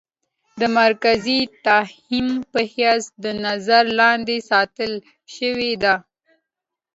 د مرکزي تهيم په حېث د نظر لاندې ساتلے شوې ده.